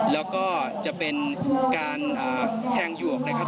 แล้วก็จะเป็นการแทงหยวกนะครับ